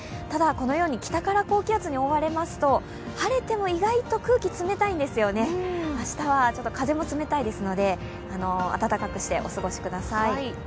ただこのように北から高気圧に覆われますと晴れても意外と空気、冷たいんです明日は風も冷たいですので、暖かくしてお過ごしください。